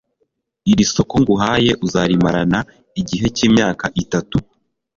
irisoko nguhaye uzarimarana igihe cy' imyaka itatu